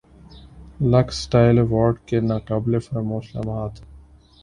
looks style award کے ناقابل فراموش لمحات